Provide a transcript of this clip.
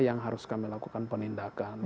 yang harus kami lakukan penindakan